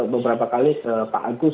beberapa kali pak agus